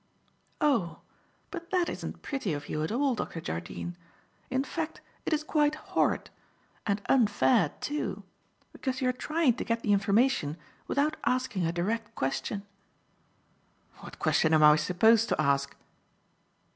"Oh, but that isn't pretty of you at all, Dr. Jardine. In fact it is quite horrid; and unfair, too; because you are trying to get the information without asking a direct question." "What question am I supposed to ask?"